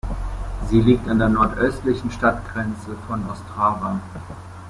Sie liegt an der nordöstlichen Stadtgrenze von Ostrava.